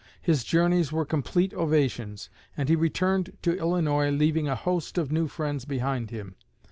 His journeys were complete ovations, and he returned to Illinois leaving a host of new friends behind him.